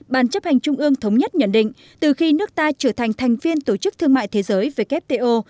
bàn chấp hành trung ương thống nhất nhận định từ khi nước ta trở thành thành viên tổ chức thương mại thế giới wto